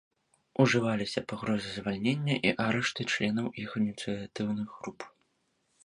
Ужываліся пагрозы звальнення і арышты членаў іх ініцыятыўных груп.